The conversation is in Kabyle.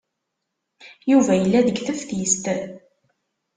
Yuba yella deg teftist.